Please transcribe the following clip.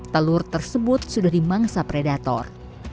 telur tersebut sudah dimangsa predator